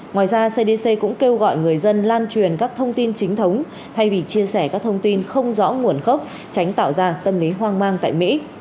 ngoài ra cdc cũng kêu gọi người dân lan truyền các thông tin chính thống thay vì chia sẻ các thông tin không rõ nguồn gốc tránh tạo ra tâm lý hoang mang tại mỹ